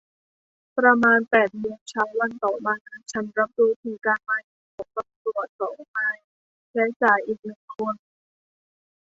ประมาณแปดโมงเช้าวันต่อมา ฉันรับรู้ถึงการมาเยือนของตำรวจสองนายและจ่าอีกหนึ่งคน